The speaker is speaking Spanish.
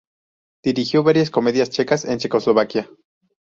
Dirigió varias comedias checas en Checoslovaquia.